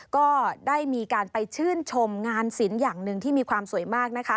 ก็ได้มีการไปชื่นชมงานศิลป์อย่างหนึ่งที่มีความสวยมากนะคะ